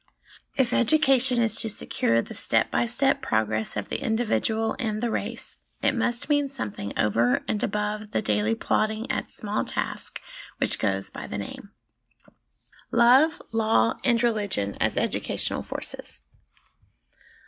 If education is to secure the step by step progress of the individual and the race, it must mean something over and above the daily plodding at small tasks which goes by the name. Love, Law, and Religion as Educational Forces.